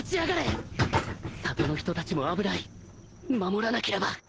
里の人たちも危ない守らなければ